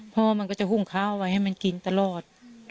มันก็จะหุ้งข้าวไว้ให้มันกินตลอด